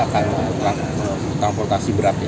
akan transportasi berat